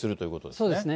そうですね。